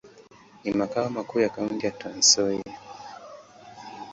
Ni makao makuu ya kaunti ya Trans-Nzoia.